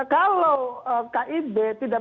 kalau kib tidak